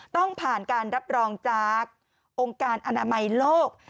ต้องผ่านการรับรองจากองค์การอนามัยโลก